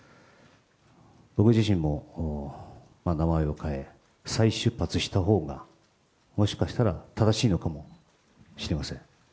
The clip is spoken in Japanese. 僕自身も名前を変え、再出発したほうが、もしかしたら正しいのかもしれません。